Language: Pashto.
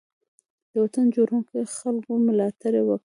د وطن جوړونکو خلګو ملاتړ وکړئ.